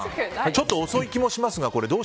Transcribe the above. ちょっと遅い気もしますが。